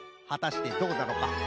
はたしてどうだろうか？